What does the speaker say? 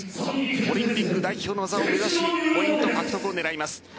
オリンピック代表の座を目指しポイント獲得を狙います。